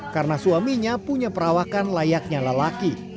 karena suaminya punya perawakan layaknya lelaki